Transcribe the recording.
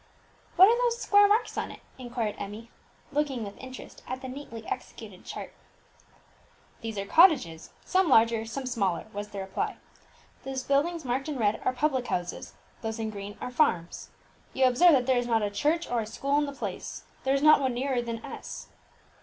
"What are those square marks on it?" inquired Emmie, looking with interest at the neatly executed chart. "These are cottages, some larger, some smaller," was the reply. "Those buildings marked in red are public houses; those in green are farms. You observe that there is not a church or a school in the place; there is not one nearer than S